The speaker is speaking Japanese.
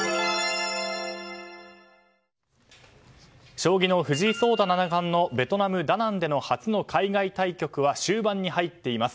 将棋の藤井聡太七冠のベトナム・ダナンでの初の海外対局は終盤に入っています。